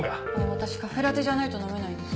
私カフェラテじゃないと飲めないんです。